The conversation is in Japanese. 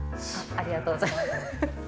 ありがとうございます。